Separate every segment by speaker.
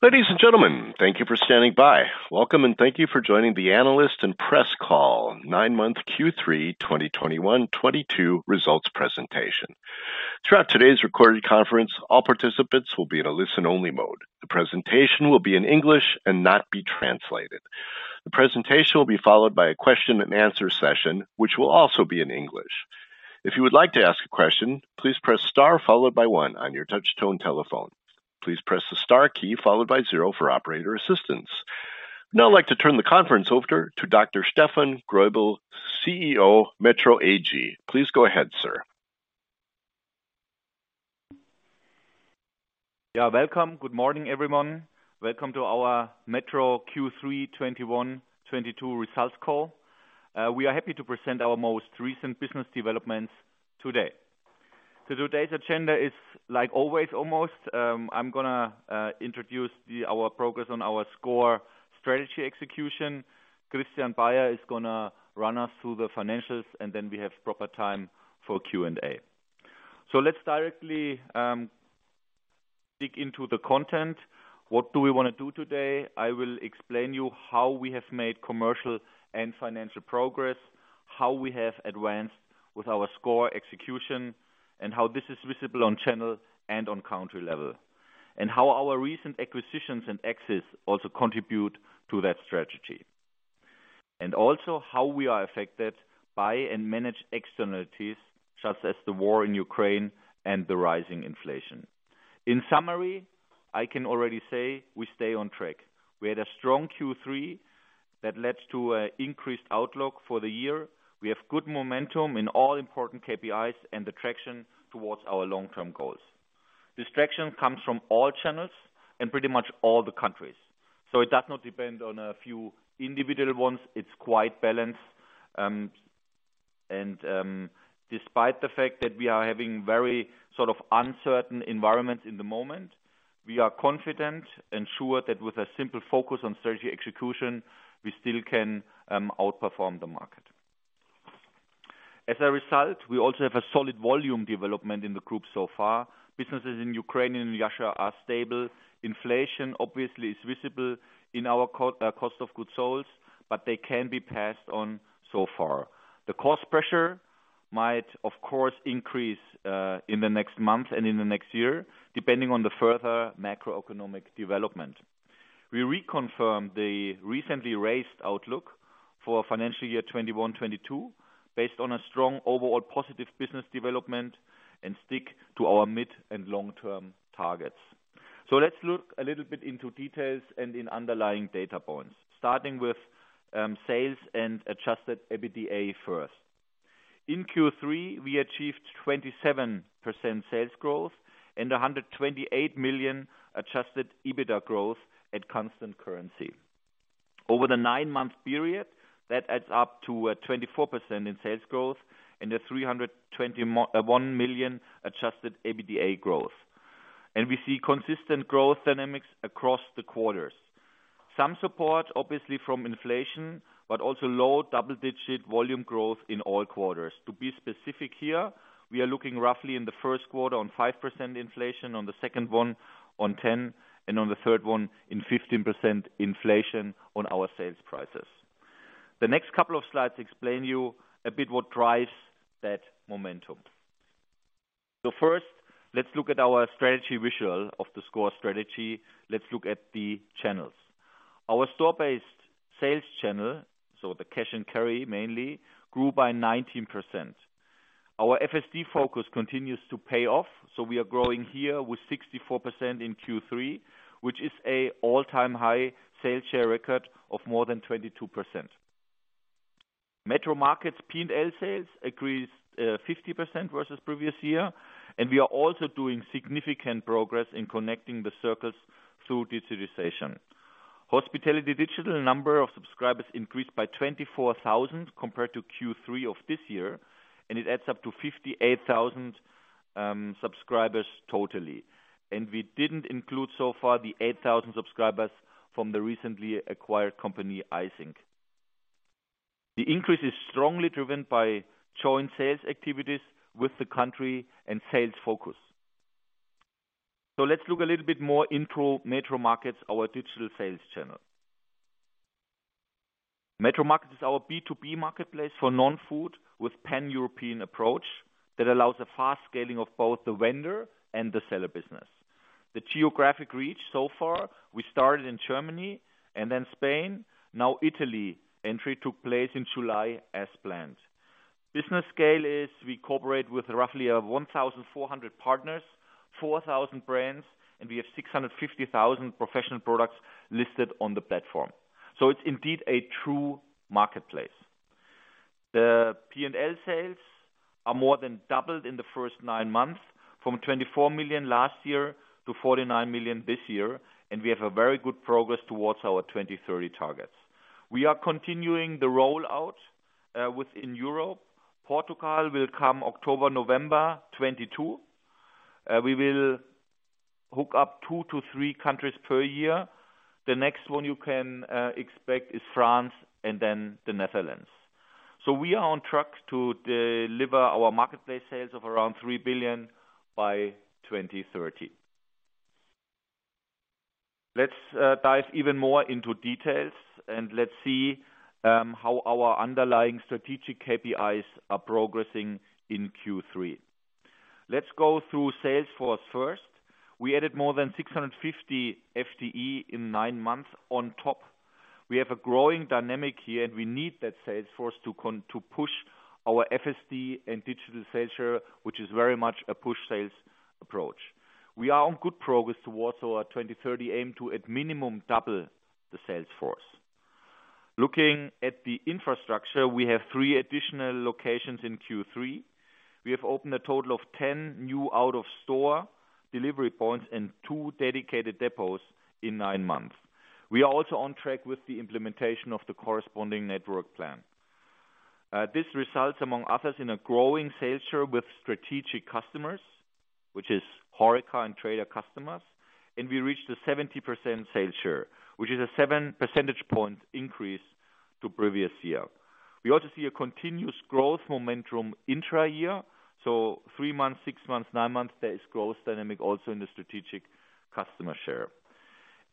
Speaker 1: Ladies and gentlemen, thank you for standing by. Welcome, and thank you for joining the analyst and press call, nine-month Q3 2021/22 results presentation. Throughout today's recorded conference, all participants will be in a listen-only mode. The presentation will be in English and not be translated. The presentation will be followed by a question and answer session, which will also be in English. If you would like to ask a question, please press star followed by one on your touch tone telephone. Please press the star key followed by zero for operator assistance. Now I'd like to turn the conference over to Dr. Steffen Greubel, CEO, METRO AG. Please go ahead, sir.
Speaker 2: Yeah, welcome. Good morning, everyone. Welcome to our METRO Q3 2021/2022 results call. We are happy to present our most recent business developments today. Today's agenda is like always almost, I'm gonna introduce our progress on our sCore strategy execution. Christian Baier is gonna run us through the financials, and then we have proper time for Q&A. Let's directly dig into the content. What do we wanna do today? I will explain you how we have made commercial and financial progress, how we have advanced with our sCore execution, and how this is visible on channel and on country level. How our recent acquisitions and exits also contribute to that strategy. How we are affected by and manage externalities such as the war in Ukraine and the rising inflation. In summary, I can already say we stay on track. We had a strong Q3 that led to increased outlook for the year. We have good momentum in all important KPIs and the traction towards our long-term goals. This traction comes from all channels and pretty much all the countries. It does not depend on a few individual ones. It's quite balanced. Despite the fact that we are having very sort of uncertain environments in the moment, we are confident and sure that with a simple focus on strategy execution, we still can outperform the market. As a result, we also have a solid volume development in the group so far. Businesses in Ukraine and Russia are stable. Inflation obviously is visible in our cost of goods sold, but they can be passed on so far. The cost pressure might, of course, increase in the next month and in the next year, depending on the further macroeconomic development. We reconfirm the recently raised outlook for financial year 2021/2022, based on a strong overall positive business development and stick to our mid and long-term targets. Let's look a little bit into details and in underlying data points, starting with sales and adjusted EBITDA first. In Q3, we achieved 27% sales growth and 128 million adjusted EBITDA growth at constant currency. Over the nine-month period, that adds up to 24% in sales growth and 321 million adjusted EBITDA growth. We see consistent growth dynamics across the quarters. Some support, obviously from inflation, but also low double-digit volume growth in all quarters. To be specific here, we are looking roughly in the first quarter on 5% inflation, on the second one on 10, and on the third one in 15% inflation on our sales prices. The next couple of slides explain you a bit what drives that momentum. First, let's look at our strategy visual of the sCore strategy. Let's look at the channels. Our store-based sales channel, so the cash and carry mainly, grew by 19%. Our FSD focus continues to pay off, so we are growing here with 64% in Q3, which is an all-time high sales share record of more than 22%. METRO Markets P&L sales increased 50% versus previous year, and we are also doing significant progress in connecting the circles through digitization. Hospitality Digital number of subscribers increased by 24,000 compared to Q3 of this year, and it adds up to 58,000 subscribers totally. We didn't include so far the 8,000 subscribers from the recently acquired company, Eijsink. The increase is strongly driven by joint sales activities with the country and sales focus. Let's look a little bit more into METRO Markets, our digital sales channel. METRO Markets is our B2B marketplace for non-food with pan-European approach that allows a fast scaling of both the vendor and the seller business. The geographic reach so far, we started in Germany and then Spain. Now Italy entry took place in July as planned. Business scale is we cooperate with roughly 1,400 partners, 4,000 brands, and we have 650,000 professional products listed on the platform. It's indeed a true marketplace. The P&L sales are more than doubled in the first nine months from 24 million last year to 49 million this year, and we have a very good progress towards our 2030 targets. We are continuing the rollout within Europe. Portugal will come October, November 2022. We will hook up two-three countries per year. The next one you can expect is France and then the Netherlands. We are on track to deliver our marketplace sales of around 3 billion by 2030. Let's dive even more into details and let's see how our underlying strategic KPIs are progressing in Q3. Let's go through sales force first. We added more than 650 FTE in nine months on top. We have a growing dynamic here, and we need that sales force to push our FSD and digital sales share, which is very much a push sales approach. We are on good progress towards our 2030 aim to at minimum double the sales force. Looking at the infrastructure, we have three additional locations in Q3. We have opened a total of 10 new out of store delivery points and two dedicated depots in nine months. We are also on track with the implementation of the corresponding network plan. This results among others in a growing sales share with strategic customers, which is HoReCa and Trader customers, and we reached a 70% sales share, which is a seven percentage point increase to previous year. We also see a continuous growth momentum intra-year. Three months, six months, nine months, there is growth dynamic also in the strategic customer share.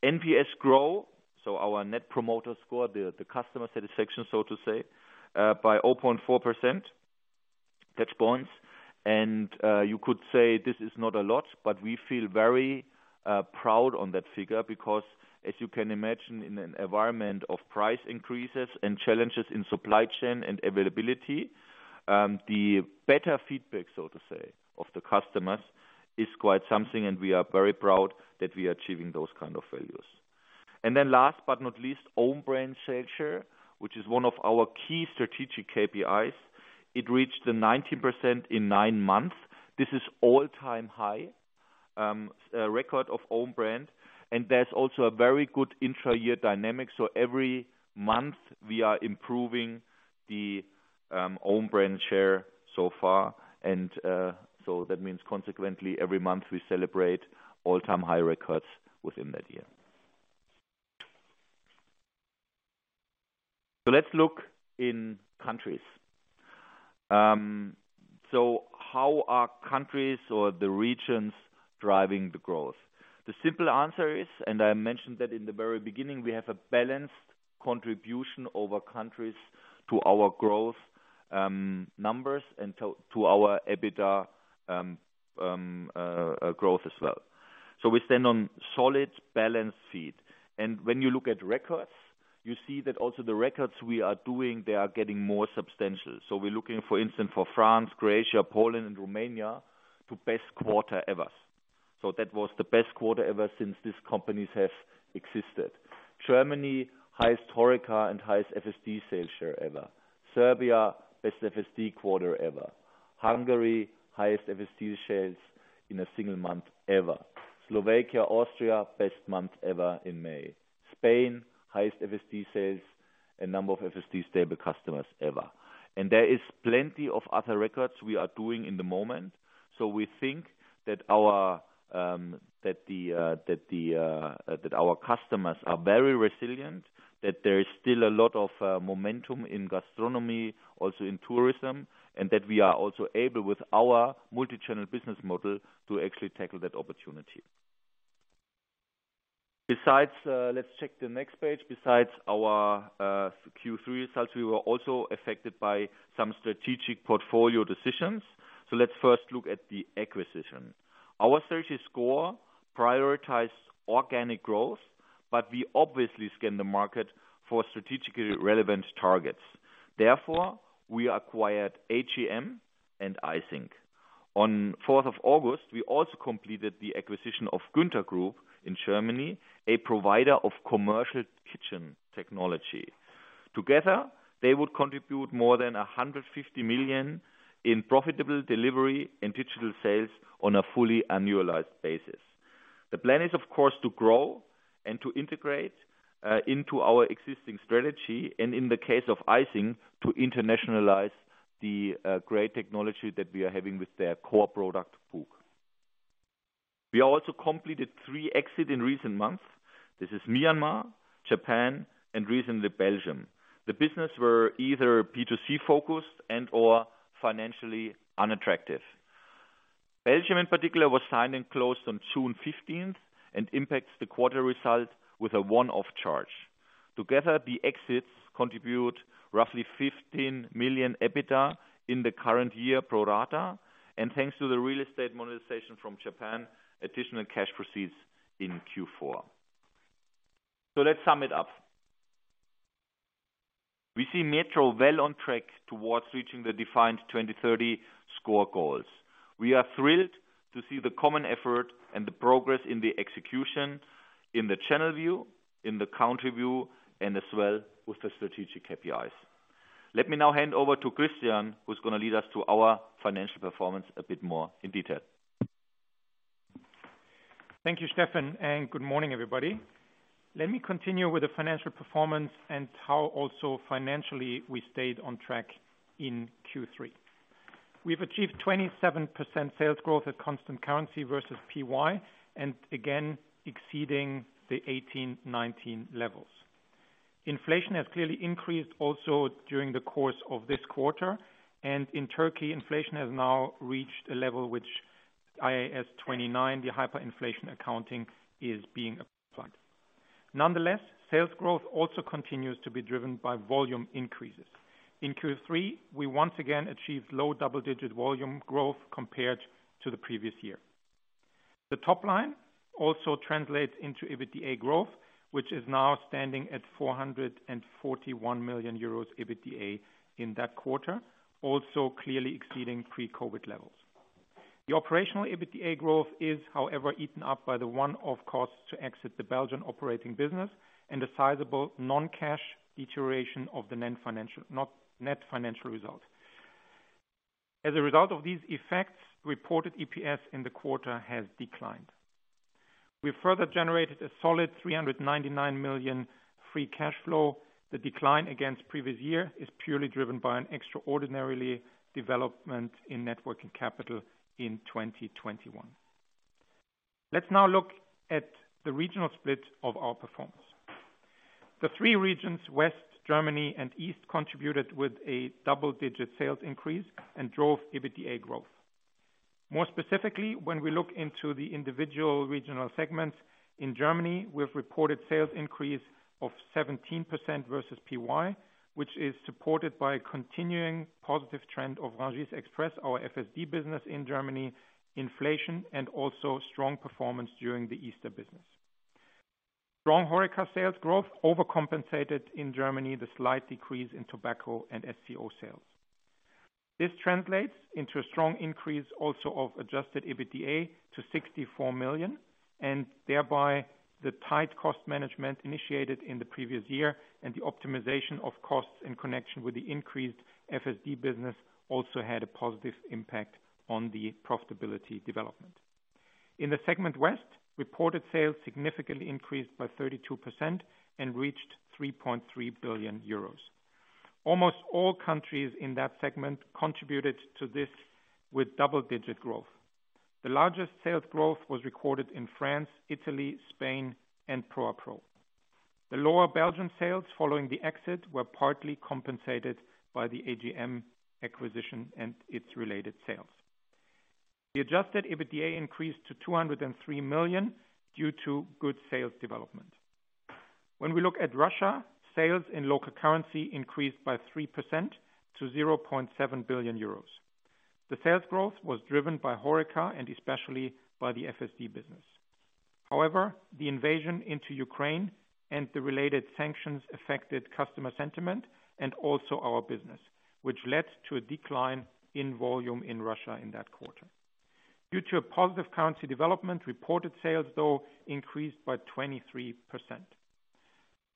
Speaker 2: NPS grow, so our net promoter score, the customer satisfaction, so to say, by 0.4 percentage points. You could say this is not a lot, but we feel very proud on that figure because as you can imagine in an environment of price increases and challenges in supply chain and availability, the better feedback, so to say, of the customers is quite something, and we are very proud that we are achieving those kind of values. Last but not least, own brand sales share, which is one of our key strategic KPIs. It reached 19% in nine months. This is all-time high, record of own brand, and there's also a very good intra-year dynamic. Every month we are improving the own brand share so far. That means consequently, every month we celebrate all-time high records within that year. Let's look in countries. How are countries or the regions driving the growth? The simple answer is, and I mentioned that in the very beginning, we have a balanced contribution over countries to our growth numbers and to our EBITDA growth as well. We stand on solid balance feet. When you look at records, you see that also the records we are doing, they are getting more substantial. We're looking, for instance, for France, Croatia, Poland and Romania, to best quarter ever. That was the best quarter ever since these companies have existed. Germany, highest HoReCa and highest FSD sales share ever. Serbia, best FSD quarter ever. Hungary, highest FSD sales in a single month ever. Slovakia, Austria, best month ever in May. Spain, highest FSD sales and number of FSD stable customers ever. There is plenty of other records we are doing in the moment. We think that our customers are very resilient, that there is still a lot of momentum in gastronomy, also in tourism, and that we are also able with our multi-channel business model to actually tackle that opportunity. Besides, let's check the next page. Besides our Q3 results, we were also affected by some strategic portfolio decisions. Let's first look at the acquisition. Our sCore prioritize organic growth, but we obviously scan the market for strategically relevant targets. Therefore, we acquired AGM and Eijsink. On fourth of August, we also completed the acquisition of Günther Group in Germany, a provider of commercial kitchen technology. Together, they would contribute more than 150 million in profitable delivery and digital sales on a fully annualized basis. The plan is, of course, to grow and to integrate into our existing strategy, and in the case of Eijsink, to internationalize the great technology that we are having with their core product DISH. We also completed three exits in recent months. This is Myanmar, Japan and recently Belgium. The businesses were either B2C-focused and/or financially unattractive. Belgium in particular was signed and closed on June fifteenth and impacts the quarter result with a one-off charge. Together, the exits contribute roughly 15 million EBITDA in the current year pro rata, and thanks to the real estate monetization from Japan, additional cash proceeds in Q4. Let's sum it up. We see Metro well on track towards reaching the defined 2030 sCore goals. We are thrilled to see the common effort and the progress in the execution in the channel view, in the country view, and as well with the strategic KPIs. Let me now hand over to Christian, who's gonna lead us to our financial performance a bit more in detail.
Speaker 3: Thank you, Steffen, and good morning, everybody. Let me continue with the financial performance and how also financially we stayed on track in Q3. We've achieved 27% sales growth at constant currency versus PY, and again, exceeding the 2018-2019 levels. Inflation has clearly increased also during the course of this quarter, and in Turkey, inflation has now reached a level which IAS 29, the hyperinflation accounting, is being applied. Nonetheless, sales growth also continues to be driven by volume increases. In Q3, we once again achieved low double-digit volume growth compared to the previous year. The top line also translates into EBITDA growth, which is now standing at 441 million euros EBITDA in that quarter, also clearly exceeding pre-COVID levels. The operational EBITDA growth is, however, eaten up by the one-off costs to exit the Belgian operating business and a sizable non-cash deterioration of the non-financial, not net financial result. As a result of these effects, reported EPS in the quarter has declined. We further generated a solid 399 million free cash flow. The decline against previous year is purely driven by an extraordinary development in net working capital in 2021. Let's now look at the regional split of our performance. The three regions, West, Germany, and East, contributed with a double-digit sales increase and drove EBITDA growth. More specifically, when we look into the individual regional segments, in Germany, we've reported sales increase of 17% versus PY, which is supported by a continuing positive trend of Rungis Express, our FSD business in Germany, inflation, and also strong performance during the Easter business. Strong HoReCa sales growth overcompensated in Germany the slight decrease in tobacco and FCO sales. This translates into a strong increase also of adjusted EBITDA to 64 million, and thereby, the tight cost management initiated in the previous year and the optimization of costs in connection with the increased FSD business also had a positive impact on the profitability development. In the segment West, reported sales significantly increased by 32% and reached 3.3 billion euros. Almost all countries in that segment contributed to this with double-digit growth. The largest sales growth was recorded in France, Italy, Spain, and Pro à Pro. The lower Belgian sales following the exit were partly compensated by the AGM acquisition and its related sales. The adjusted EBITDA increased to 203 million due to good sales development. When we look at Russia, sales in local currency increased by 3% to 0.7 billion euros. The sales growth was driven by HoReCa and especially by the FSD business. However, the invasion into Ukraine and the related sanctions affected customer sentiment and also our business, which led to a decline in volume in Russia in that quarter. Due to a positive currency development, reported sales, though, increased by 23%.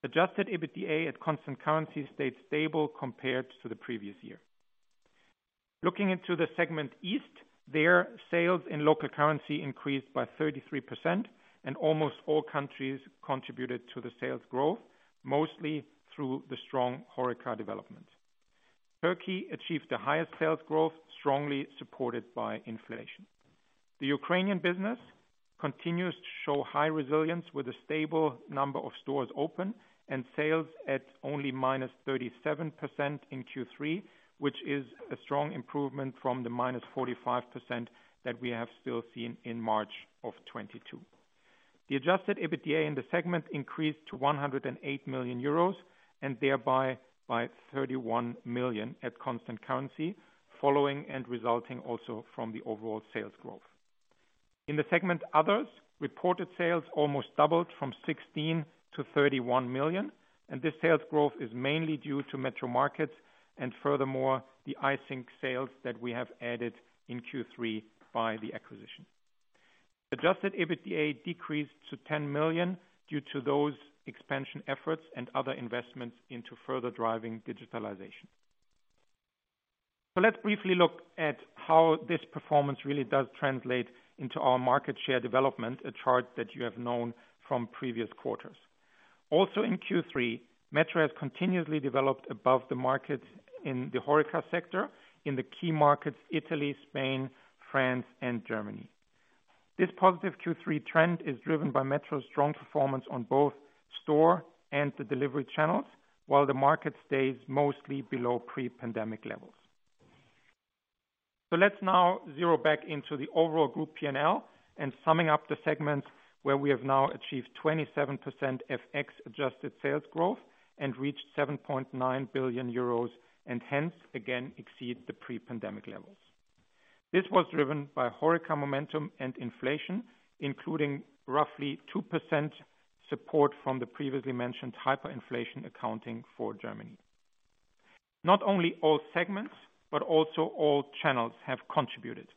Speaker 3: Adjusted EBITDA at constant currency stayed stable compared to the previous year. Looking into the segment East, their sales in local currency increased by 33% and almost all countries contributed to the sales growth, mostly through the strong HoReCa development. Turkey achieved the highest sales growth, strongly supported by inflation. The Ukrainian business continues to show high resilience with a stable number of stores open and sales at only -37% in Q3, which is a strong improvement from the -45% that we have still seen in March 2022. The adjusted EBITDA in the segment increased to 108 million euros and thereby by 31 million at constant currency, following and resulting also from the overall sales growth. In the segment Others, reported sales almost doubled from 16 million to 31 million, and this sales growth is mainly due to METRO Markets and furthermore, the Eijsink sales that we have added in Q3 by the acquisition. Adjusted EBITDA decreased to 10 million due to those expansion efforts and other investments into further driving digitalization. Let's briefly look at how this performance really does translate into our market share development, a chart that you have known from previous quarters. Also in Q3, METRO has continuously developed above the market in the HoReCa sector in the key markets Italy, Spain, France, and Germany. This positive Q3 trend is driven by METRO's strong performance on both store and the delivery channels, while the market stays mostly below pre-pandemic levels. Let's now zoom back into the overall group P&L and summing up the segments where we have now achieved 27% FX-adjusted sales growth and reached 7.9 billion euros and hence again exceed the pre-pandemic levels. This was driven by HoReCa momentum and inflation, including roughly 2% support from the previously mentioned hyperinflation accounting for Germany. Not only all segments, but also all channels have contributed.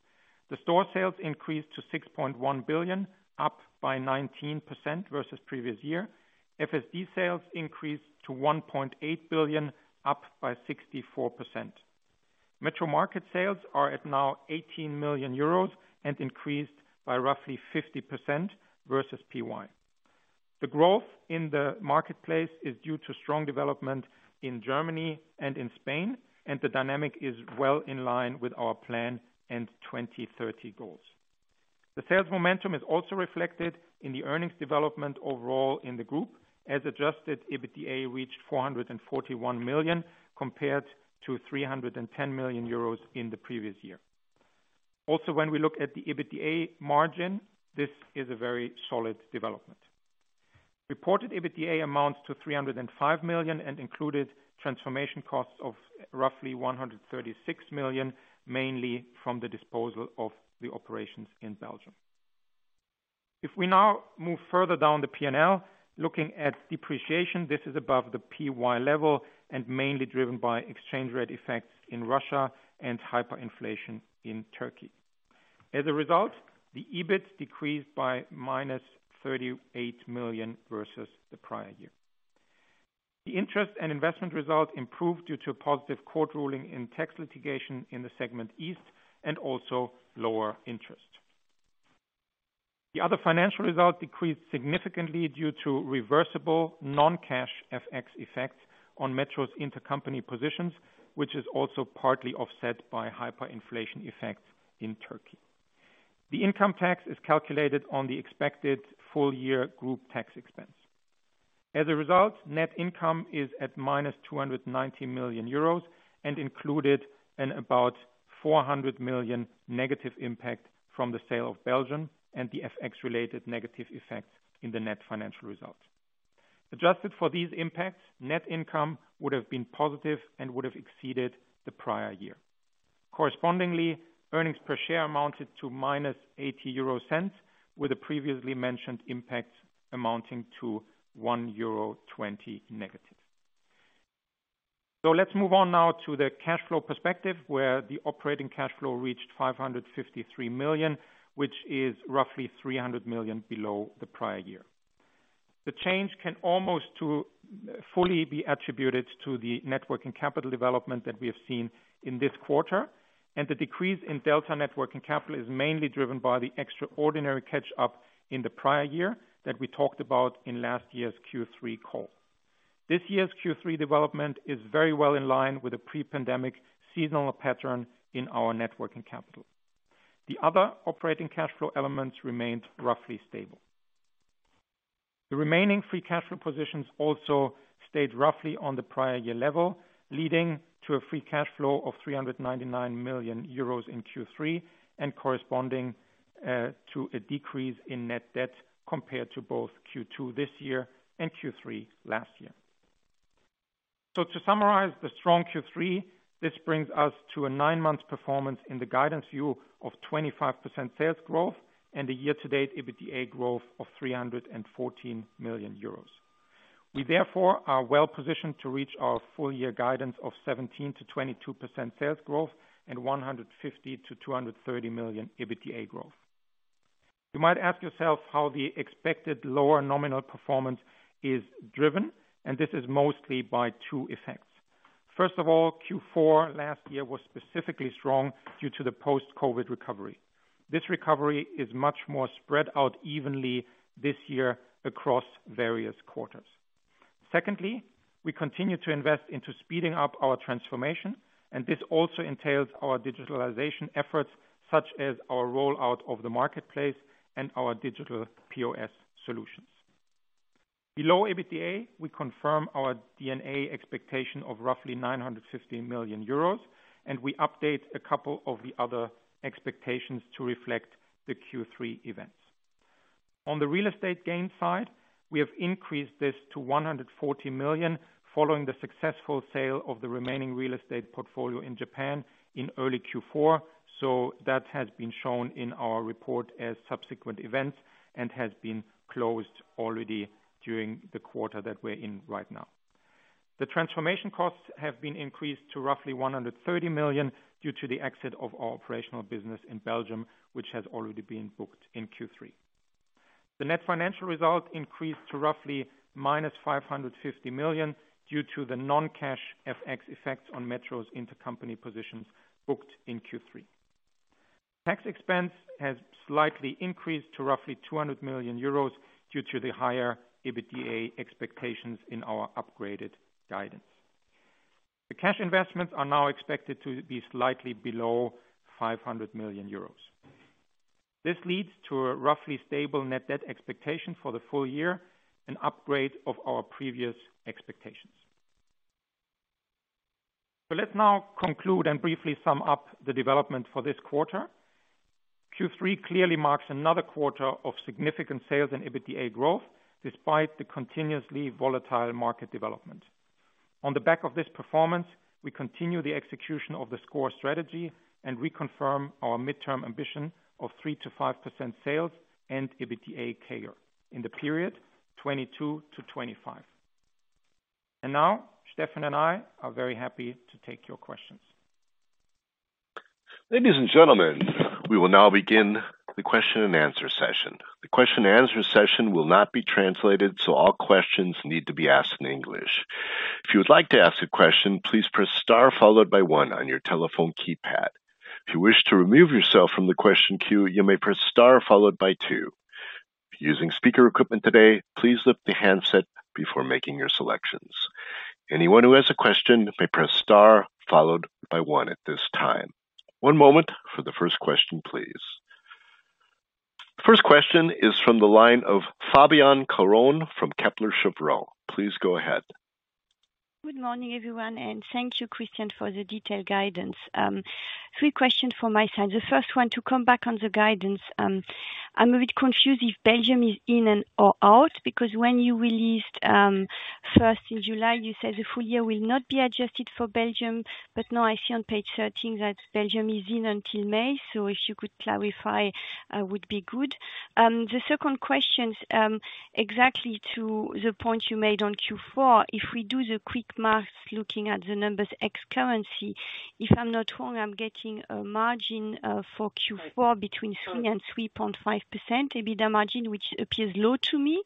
Speaker 3: Store sales increased to 6.1 billion, up by 19% versus previous year. FSD sales increased to 1.8 billion, up by 64%. METRO Markets sales are now at 18 million euros and increased by roughly 50% versus PY. The growth in the marketplace is due to strong development in Germany and in Spain, and the dynamic is well in line with our plan and 2030 goals. The sales momentum is also reflected in the earnings development overall in the group as adjusted EBITDA reached 441 million, compared to 310 million euros in the previous year. Also, when we look at the EBITDA margin, this is a very solid development. Reported EBITDA amounts to 305 million and included transformation costs of roughly 136 million, mainly from the disposal of the operations in Belgium. If we now move further down the P&L, looking at depreciation, this is above the PY level and mainly driven by exchange rate effects in Russia and hyperinflation in Turkey. As a result, the EBIT decreased by -38 million versus the prior year. The interest and investment result improved due to a positive court ruling in tax litigation in the segment East and also lower interest. The other financial result decreased significantly due to reversible non-cash FX effects on METRO's intercompany positions, which is also partly offset by hyperinflation effects in Turkey. The income tax is calculated on the expected full year group tax expense. As a result, net income is at -290 million euros and included in about 400 million negative impact from the sale of Belgium and the FX-related negative effects in the net financial results. Adjusted for these impacts, net income would have been positive and would have exceeded the prior year. Correspondingly, earnings per share amounted to -0.80, with the previously mentioned impact amounting to -1.20 euro. Let's move on now to the cash flow perspective, where the operating cash flow reached 553 million, which is roughly 300 million below the prior year. The change can almost fully be attributed to the net working capital development that we have seen in this quarter, and the decrease in delta net working capital is mainly driven by the extraordinary catch-up in the prior year that we talked about in last year's Q3 call. This year's Q3 development is very well in line with a pre-pandemic seasonal pattern in our net working capital. The other operating cash flow elements remained roughly stable. The remaining free cash flow positions also stayed roughly on the prior year level, leading to a free cash flow of 399 million euros in Q3 and corresponding to a decrease in net debt compared to both Q2 this year and Q3 last year. To summarize the strong Q3, this brings us to a nine-month performance in the guidance view of 25% sales growth and a year-to-date EBITDA growth of 314 million euros. We therefore are well positioned to reach our full year guidance of 17%-22% sales growth and 150 million-230 million EBITDA growth. You might ask yourself how the expected lower nominal performance is driven, and this is mostly by two effects. First of all, Q4 last year was specifically strong due to the post-COVID recovery. This recovery is much more spread out evenly this year across various quarters. Secondly, we continue to invest into speeding up our transformation, and this also entails our digitalization efforts, such as our rollout of the marketplace and our digital POS solutions. Below EBITDA, we confirm our D&A expectation of roughly 950 million euros, and we update a couple of the other expectations to reflect the Q3 events. On the real estate gain side, we have increased this to 140 million following the successful sale of the remaining real estate portfolio in Japan in early Q4. That has been shown in our report as subsequent events and has been closed already during the quarter that we're in right now. The transformation costs have been increased to roughly 130 million due to the exit of our operational business in Belgium, which has already been booked in Q3. The net financial result increased to roughly -550 million due to the non-cash FX effects on METRO's intercompany positions booked in Q3. Tax expense has slightly increased to roughly 200 million euros due to the higher EBITDA expectations in our upgraded guidance. The cash investments are now expected to be slightly below 500 million euros. This leads to a roughly stable net debt expectation for the full year and upgrade of our previous expectations. Let's now conclude and briefly sum up the development for this quarter. Q3 clearly marks another quarter of significant sales and EBITDA growth despite the continuously volatile market development. On the back of this performance, we continue the execution of the sCore strategy and reconfirm our midterm ambition of 3%-5% sales and EBITDA CAGR in the period 2022-2025. Now Steffen and I are very happy to take your questions.
Speaker 1: Ladies and gentlemen, we will now begin the question and answer session. The question and answer session will not be translated, so all questions need to be asked in English. If you would like to ask a question, please press star followed by one on your telephone keypad. If you wish to remove yourself from the question queue, you may press star followed by two. If you're using speaker equipment today, please lift the handset before making your selections. Anyone who has a question may press star followed by one at this time. One moment for the first question, please. First question is from the line of Fabienne Caron from Kepler Cheuvreux. Please go ahead.
Speaker 4: Good morning, everyone, and thank you, Christian, for the detailed guidance. Three questions from my side. The first one to come back on the guidance. I'm a bit confused if Belgium is in or out because when you released first in July, you said the full year will not be adjusted for Belgium. Now I see on page 13 that Belgium is in until May. If you could clarify would be good. The second question, exactly to the point you made on Q4. If we do the quick math looking at the numbers ex-currency, if I'm not wrong, I'm getting a margin for Q4 between 3% and 3.5% EBITDA margin, which appears low to me,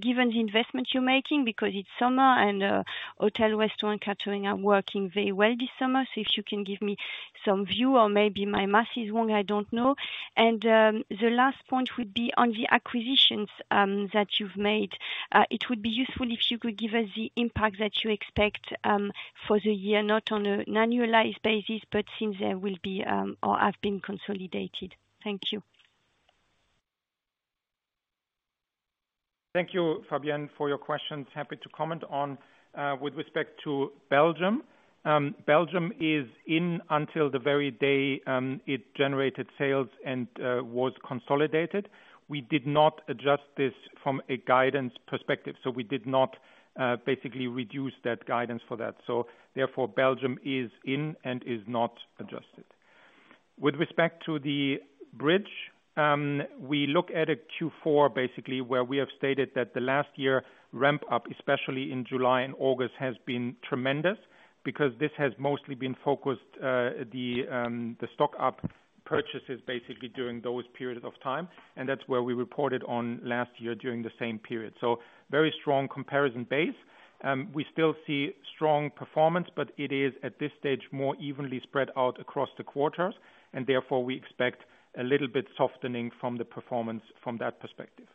Speaker 4: given the investment you're making because it's summer and hotel, restaurant, catering are working very well this summer. If you can give me some view or maybe my math is wrong, I don't know. The last point would be on the acquisitions that you've made. It would be useful if you could give us the impact that you expect for the year, not on an annualized basis, but since there will be, or have been consolidated. Thank you.
Speaker 3: Thank you, Fabienne, for your questions. Happy to comment on, with respect to Belgium. Belgium is in until the very day it generated sales and was consolidated. We did not adjust this from a guidance perspective, so we did not basically reduce that guidance for that. Therefore, Belgium is in and is not adjusted. With respect to the bridge, we look at a Q4 basically where we have stated that the last year ramp up, especially in July and August, has been tremendous because this has mostly been focused, the stock-up purchases basically during those periods of time, and that's where we reported on last year during the same period. Very strong comparison base. We still see strong performance, but it is at this stage more evenly spread out across the quarters and therefore we expect a little bit softening from the performance from that perspective.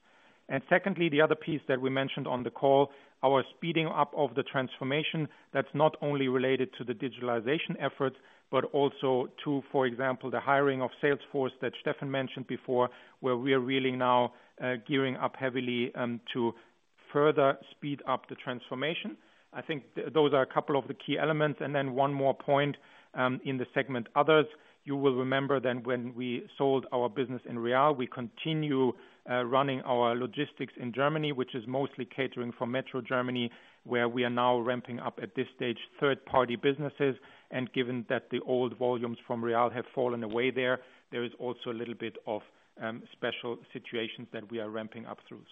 Speaker 3: Secondly, the other piece that we mentioned on the call, our speeding up of the transformation, that's not only related to the digitalization efforts, but also to, for example, the hiring of sales force that Steffen Greubel mentioned before, where we are really now gearing up heavily to further speed up the transformation. I think those are a couple of the key elements. Then one more point, in the segment others, you will remember then when we sold our business in Real, we continue running our logistics in Germany, which is mostly catering for METRO Germany, where we are now ramping up at this stage third-party businesses. Given that the old volumes from Real have fallen away there is also a little bit of special situations that we are ramping up through.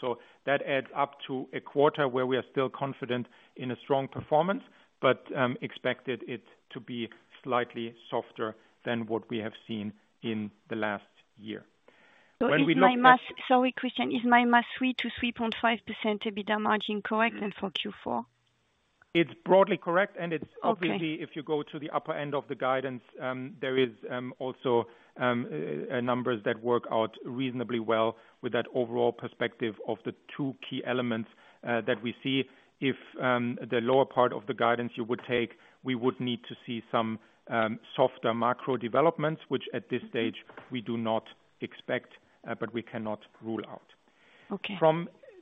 Speaker 3: That adds up to a quarter where we are still confident in a strong performance but expected it to be slightly softer than what we have seen in the last year. When we look at
Speaker 4: Sorry, Christian, is my math 3%-3.5% EBITDA margin correct then for Q4?
Speaker 3: It's broadly correct.
Speaker 4: Okay.
Speaker 3: Obviously if you go to the upper end of the guidance, there is also numbers that work out reasonably well with that overall perspective of the two key elements that we see. If the lower part of the guidance you would take, we would need to see some softer macro developments, which at this stage we do not expect, but we cannot rule out.
Speaker 4: Okay.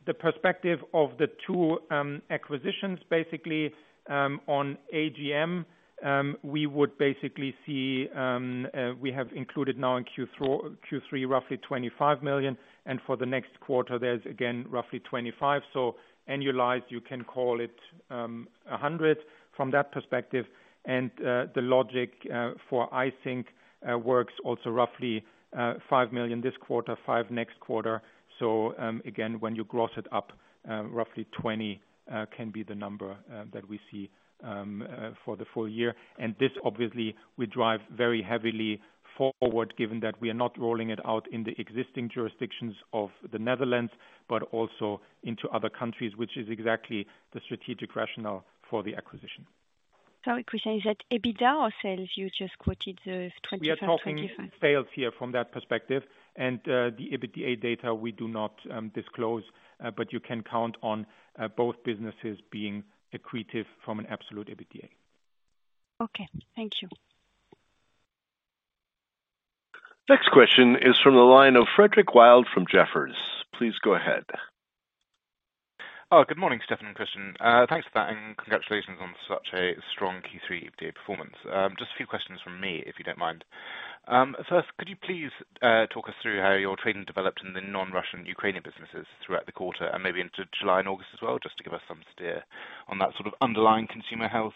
Speaker 3: From the perspective of the two acquisitions, basically, on AGM, we would basically see, we have included now in Q3 roughly 25 million, and for the next quarter there's again roughly 25 million. Annualized you can call it 100 million from that perspective. The logic for Eijsink works also roughly 5 million this quarter, 5 million next quarter. Again, when you gross it up, roughly 20 million can be the number that we see for the full year. This obviously will drive very heavily forward given that we are now rolling it out in the existing jurisdictions of the Netherlands, but also into other countries, which is exactly the strategic rationale for the acquisition.
Speaker 4: Sorry, Christian, is that EBITDA or sales you just quoted, the 24-25?
Speaker 3: We are talking sales here from that perspective and the EBITDA data we do not disclose. You can count on both businesses being accretive from an absolute EBITDA.
Speaker 4: Okay. Thank you.
Speaker 1: Next question is from the line of Frederick Wild from Jefferies. Please go ahead.
Speaker 5: Good morning, Steffen and Christian. Thanks for that and congratulations on such a strong Q3 EBITDA performance. Just a few questions from me, if you don't mind. First, could you please talk us through how your trading developed in the non-Russian Ukrainian businesses throughout the quarter and maybe into July and August as well, just to give us some steer on that sort of underlying consumer health?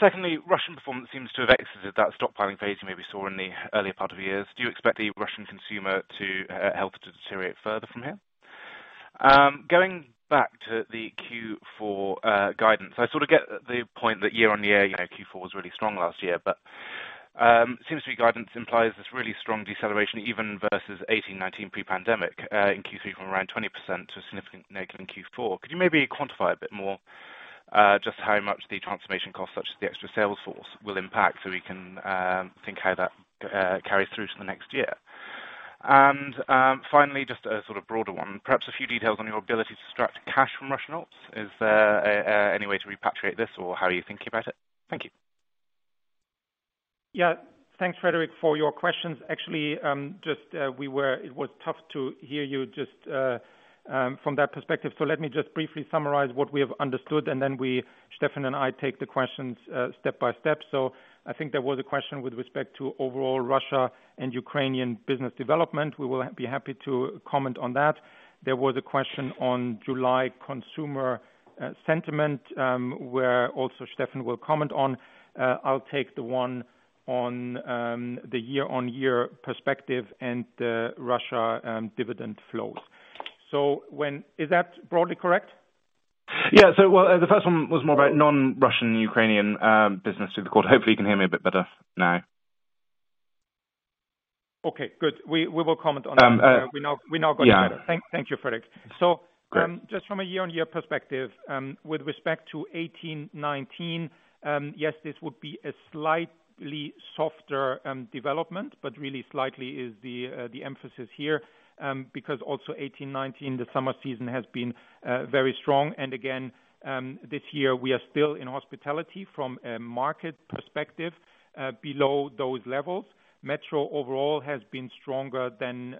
Speaker 5: Secondly, Russian performance seems to have exited that stockpiling phase we maybe saw in the earlier part of the year. Do you expect the Russian consumer health to deteriorate further from here? Going back to the Q4 guidance, I sort of get the point that year-on-year, you know, Q4 was really strong last year, but the guidance implies this really strong deceleration even versus 2018, 2019 pre-pandemic, in Q3 from around 20% to a significant negative in Q4. Could you maybe quantify a bit more, just how much the transformation costs, such as the extra sales force will impact so we can think how that carries through to the next year? Finally, just a sort of broader one, perhaps a few details on your ability to extract cash from Russian ops. Is there any way to repatriate this or how are you thinking about it? Thank you.
Speaker 3: Yeah. Thanks, Frederick, for your questions. Actually, just, It was tough to hear you just, from that perspective. Let me just briefly summarize what we have understood, and then we, Steffen and I, take the questions, step by step. I think there was a question with respect to overall Russia and Ukrainian business development. We will be happy to comment on that. There was a question on July consumer sentiment, where also Steffen will comment on. I'll take the one on, the year-on-year perspective and the Russia dividend flow. When. Is that broadly correct?
Speaker 5: Yeah. The first one was more about non-Russian Ukrainian business to the quarter. Hopefully you can hear me a bit better now.
Speaker 3: Okay, good. We will comment on that.
Speaker 5: Um, uh-
Speaker 3: We now got it better.
Speaker 5: Yeah.
Speaker 3: Thank you, Frederick.
Speaker 5: Great
Speaker 3: Just from a year-on-year perspective, with respect to 2018, 2019, yes, this would be a slightly softer development, but really slightly is the emphasis here, because also 2018, 2019, the summer season has been very strong. Again, this year we are still in hospitality from a market perspective, below those levels. METRO overall has been stronger than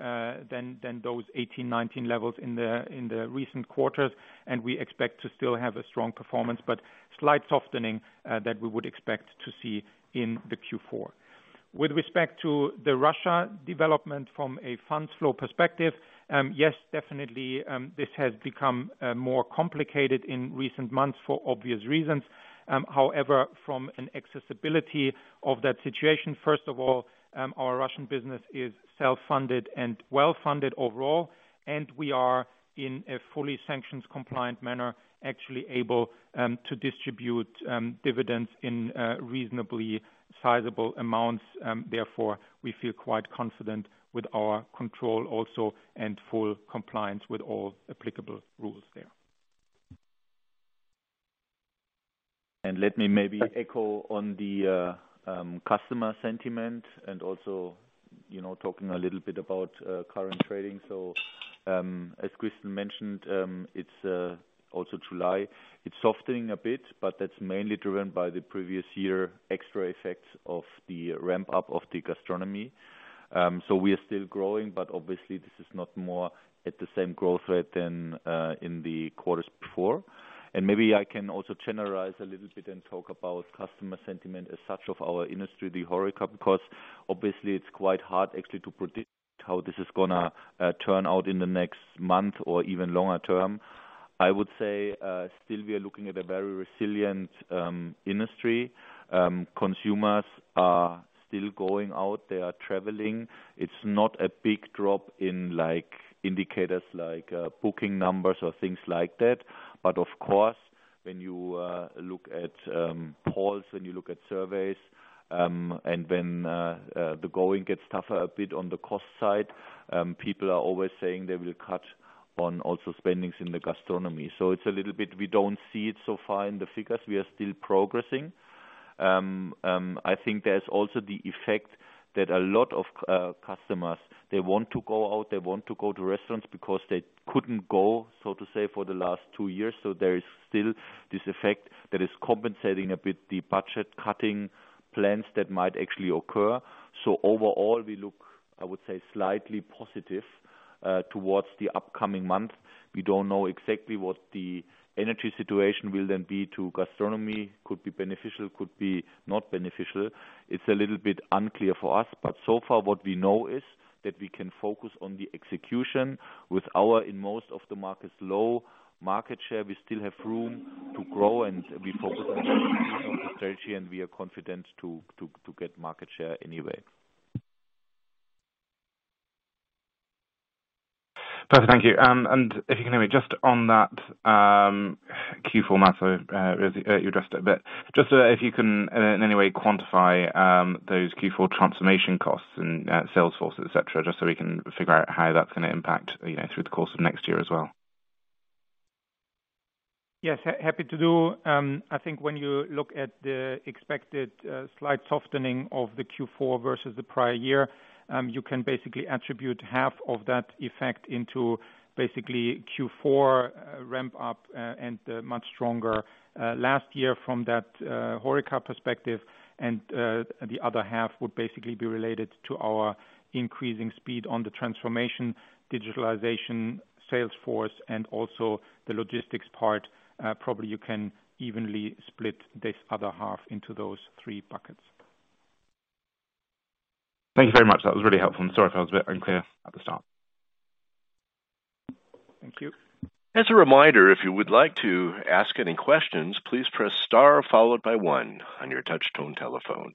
Speaker 3: those 2018, 2019 levels in the recent quarters. We expect to still have a strong performance, but slight softening that we would expect to see in the Q4. With respect to the Russian development from a fund flow perspective, yes, definitely, this has become more complicated in recent months for obvious reasons. However, from an accessibility of that situation, first of all, our Russian business is self-funded and well-funded overall, and we are in a fully sanctions compliant manner, actually able to distribute dividends in reasonably sizable amounts. Therefore, we feel quite confident with our control also in full compliance with all applicable rules there.
Speaker 2: Let me maybe echo on the customer sentiment and also, you know, talking a little bit about current trading. As Christian mentioned, it's also July, it's softening a bit, but that's mainly driven by the previous year extra effects of the ramp up of the gastronomy. We are still growing, but obviously this is not more at the same growth rate than in the quarters before. Maybe I can also generalize a little bit and talk about customer sentiment as such of our industry, the HoReCa, because obviously it's quite hard actually to predict how this is gonna turn out in the next month or even longer term. I would say, still we are looking at a very resilient industry. Consumers are still going out, they are traveling. It's not a big drop in like indicators like booking numbers or things like that. Of course, when you look at polls, when you look at surveys, and when the going gets tougher a bit on the cost side, people are always saying they will cut on also spending in the gastronomy. It's a little bit, we don't see it so far in the figures. We are still progressing. I think there's also the effect that a lot of customers, they want to go out, they want to go to restaurants because they couldn't go, so to say, for the last two years. There is still this effect that is compensating a bit the budget cutting plans that might actually occur. Overall, we look, I would say, slightly positive towards the upcoming month. We don't know exactly what the energy situation will then be to gastronomy. Could be beneficial, could be not beneficial. It's a little bit unclear for us. So far what we know is that we can focus on the execution with our, in most of the markets, low market share. We still have room to grow and we focus on the strategy, and we are confident to get market share anyway.
Speaker 5: Perfect. Thank you. If you can hear me just on that, Q4 matter, you addressed it a bit. Just so that if you can in any way quantify, those Q4 transformation costs and, sales forces, et cetera, just so we can figure out how that's gonna impact, you know, through the course of next year as well.
Speaker 3: Yes, happy to do. I think when you look at the expected slight softening of the Q4 versus the prior year, you can basically attribute half of that effect to basically Q4 ramp up and the much stronger last year from that HoReCa perspective and the other half would basically be related to our increasing speed on the transformation, digitalization, sales force, and also the logistics part. Probably you can evenly split this other half into those three buckets.
Speaker 5: Thank you very much. That was really helpful. Sorry if I was a bit unclear at the start.
Speaker 3: Thank you.
Speaker 1: As a reminder, if you would like to ask any questions, please press star followed by one on your touch tone telephone.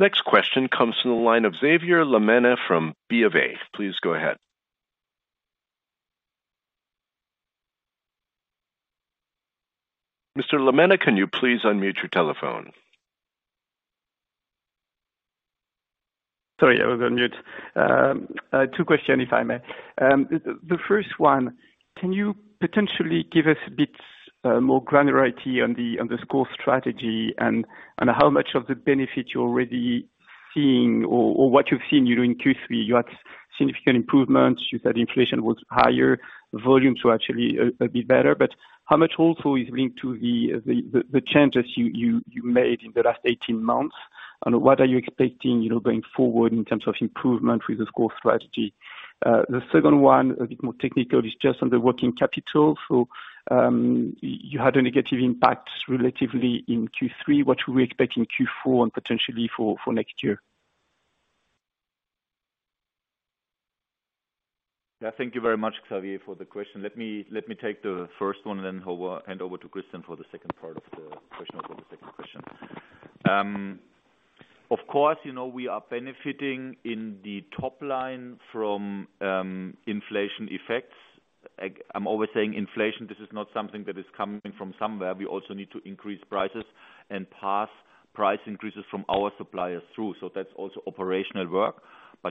Speaker 1: Next question comes from the line of Xavier Le Mené from BofA. Please go ahead. Mr. Le Mené, can you please unmute your telephone?
Speaker 6: Sorry, I was on mute. Two questions, if I may. The first one, can you potentially give us a bit more granularity on the sCore strategy and how much of the benefit you're already seeing or what you've seen, you know, in Q3. You had significant improvements. You said inflation was higher, volumes were actually a bit better. But how much also is linked to the changes you made in the last 18 months, and what are you expecting, you know, going forward in terms of improvement with the sCore strategy? The second one, a bit more technical, is just on the working capital. You had a negative impact relatively in Q3. What should we expect in Q4 and potentially for next year?
Speaker 2: Yeah. Thank you very much, Xavier, for the question. Let me take the first one, then hand over to Christian for the second part of the question or the second question. Of course, you know, we are benefiting in the top line from inflation effects. I'm always saying inflation, this is not something that is coming from somewhere. We also need to increase prices and pass price increases from our suppliers through. That's also operational work.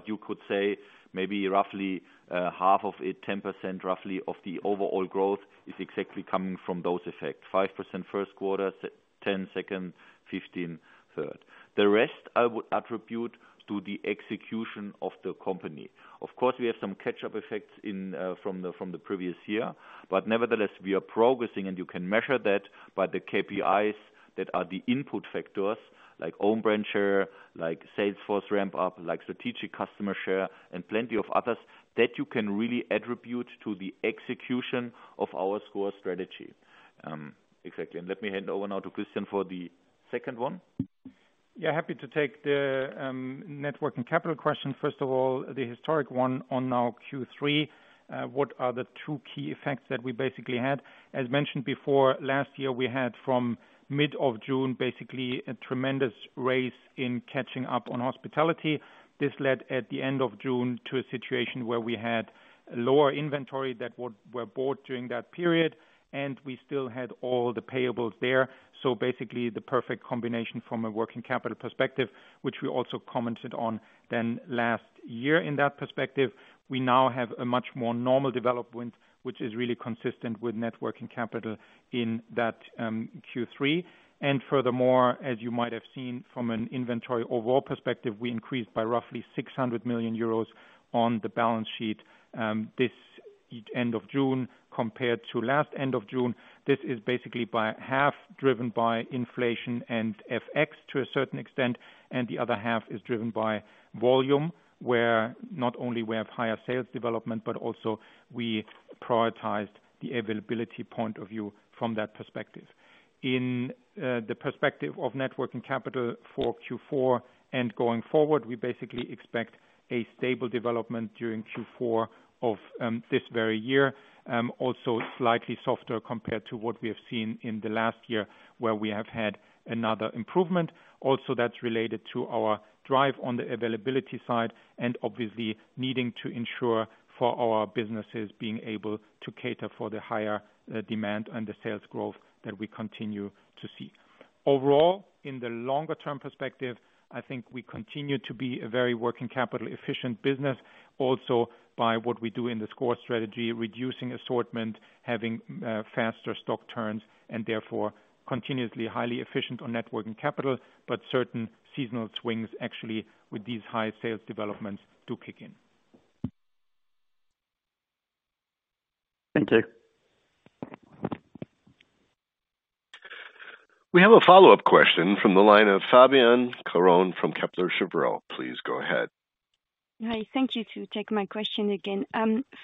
Speaker 2: You could say maybe roughly half of it, 10% roughly of the overall growth is exactly coming from those effects. 5% first quarter, 10% second, 15% third. The rest I would attribute to the execution of the company. Of course, we have some catch-up effects from the previous year. Nevertheless, we are progressing, and you can measure that by the KPIs that are the input factors, like own branch share, like sales force ramp up, like strategic customer share, and plenty of others that you can really attribute to the execution of our sCore strategy. Exactly. Let me hand over now to Christian for the second one.
Speaker 3: Yeah. Happy to take the net working capital question. First of all, the historic one on our Q3, what are the two key effects that we basically had? As mentioned before, last year, we had from mid of June, basically a tremendous race in catching up on hospitality. This led, at the end of June, to a situation where we had lower inventory that were bought during that period, and we still had all the payables there. Basically, the perfect combination from a working capital perspective, which we also commented on then last year in that perspective. We now have a much more normal development, which is really consistent with net working capital in that Q3. Furthermore, as you might have seen from an inventory overall perspective, we increased by roughly 600 million euros on the balance sheet, this end of June compared to last end of June. This is basically by half driven by inflation and FX to a certain extent, and the other half is driven by volume, where not only we have higher sales development, but also we prioritized the availability point of view from that perspective. In the perspective of net working capital for Q4 and going forward, we basically expect a stable development during Q4 of this very year. Also slightly softer compared to what we have seen in the last year, where we have had another improvement. Also, that's related to our drive on the availability side and obviously needing to ensure for our businesses being able to cater for the higher, demand and the sales growth that we continue to see. Overall, in the longer term perspective, I think we continue to be a very working capital efficient business also by what we do in the sCore strategy, reducing assortment, having, faster stock turns and therefore continuously highly efficient on net working capital. Certain seasonal swings actually with these high sales developments do kick in.
Speaker 6: Thank you.
Speaker 1: We have a follow-up question from the line of Fabienne Caron from Kepler Cheuvreux. Please go ahead.
Speaker 4: Hi. Thank you for taking my question again.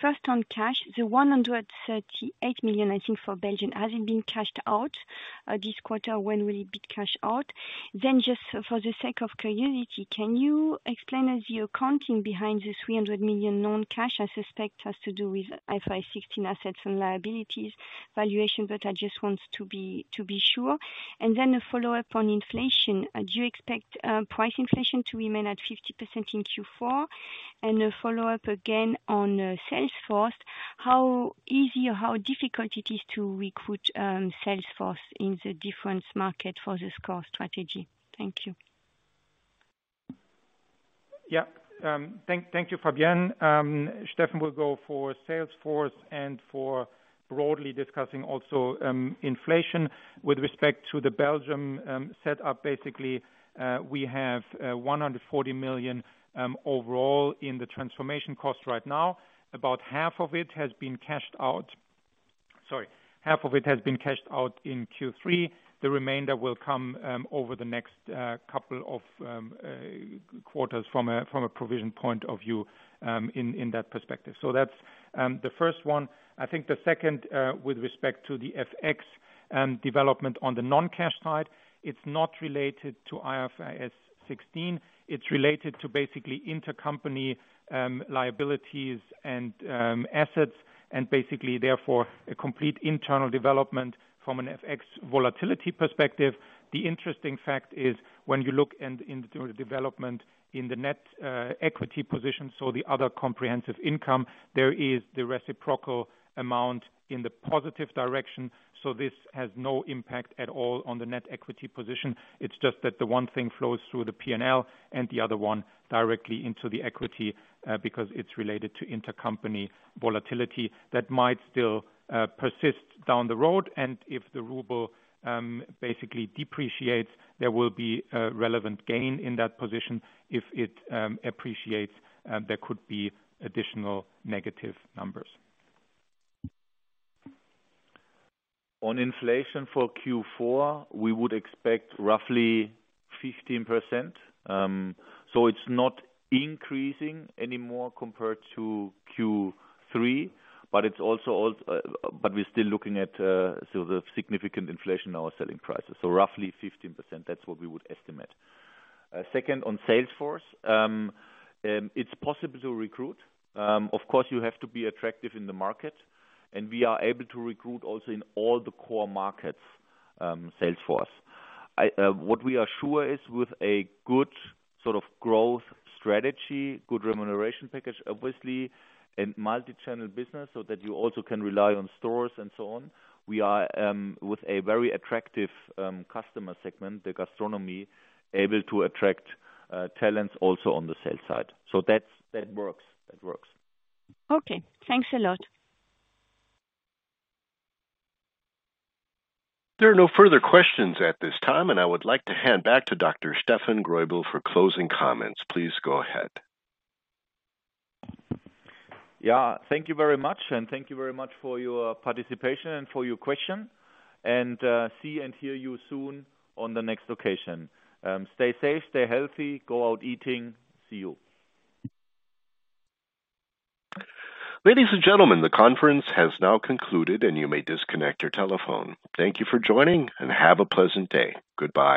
Speaker 4: First on cash, the 138 million, I think, for Belgium, has it been cashed out this quarter? When will it be cashed out? Just for the sake of curiosity, can you explain to us the accounting behind the 300 million non-cash. I suspect it has to do with IFRS 16 assets and liabilities valuation, but I just want to be sure. A follow-up on inflation. Do you expect price inflation to remain at 50% in Q4? A follow-up again on sales force. How easy or how difficult it is to recruit sales force in the different market for the sCore strategy? Thank you.
Speaker 3: Yeah. Thank you, Fabienne. Steffen will go for sales force and for broadly discussing also inflation. With respect to the Belgian setup, basically we have 140 million overall in the transformation cost right now. About half of it has been cashed out. Sorry, half of it has been cashed out in Q3. The remainder will come over the next couple of quarters from a provision point of view, in that perspective. That's the first one. I think the second with respect to the FX development on the non-cash side, it's not related to IFRS 16. It's related to basically intercompany liabilities and assets and basically therefore a complete internal development from an FX volatility perspective. The interesting fact is when you look in the total development in the net equity position, so the other comprehensive income, there is the reciprocal amount in the positive direction, so this has no impact at all on the net equity position. It's just that the one thing flows through the P&L and the other one directly into the equity, because it's related to intercompany volatility that might still persist down the road. If the ruble basically depreciates, there will be a relevant gain in that position. If it appreciates, there could be additional negative numbers.
Speaker 2: On inflation for Q4, we would expect roughly 15%. It's not increasing anymore compared to Q3, but we're still looking at the significant inflation in our selling prices. Roughly 15%, that's what we would estimate. Second, on sales force. It's possible to recruit. Of course, you have to be attractive in the market, and we are able to recruit also in all the core markets, sales force. What we are sure is with a good sort of growth strategy, good remuneration package, obviously, and multi-channel business, so that you also can rely on stores and so on. We are with a very attractive customer segment, the gastronomy, able to attract talents also on the sales side. That works.
Speaker 4: Okay, thanks a lot.
Speaker 1: There are no further questions at this time, and I would like to hand back to Dr. Steffen Greubel for closing comments. Please go ahead.
Speaker 2: Yeah. Thank you very much, and thank you very much for your participation and for your question. See and hear you soon on the next occasion. Stay safe, stay healthy, go out eating. See you.
Speaker 1: Ladies and gentlemen, the conference has now concluded, and you may disconnect your telephone. Thank you for joining, and have a pleasant day. Goodbye.